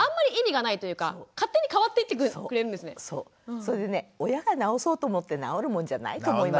それでね親が直そうと思って直るもんじゃないと思いません？